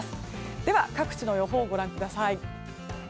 では各地の予報ご覧ください。